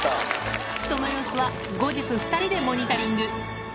その様子は後日、２人でモニタリング。